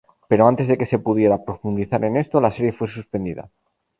Pero antes de que se pudiera profundizar en esto, la serie fue suspendida.